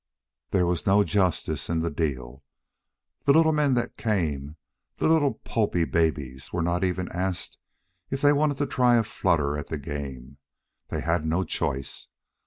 There was no justice in the deal. The little men that came, the little pulpy babies, were not even asked if they wanted to try a flutter at the game. They had no choice.